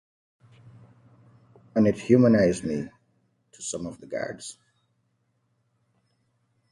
And it humanized me to some of the guards.